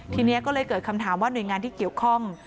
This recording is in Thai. ทีนี้ก็เลยเกิดคำถามว่าหน่วยงานที่เกี่ยวข้อง